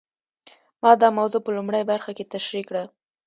ما دا موضوع په لومړۍ برخه کې تشرېح کړه.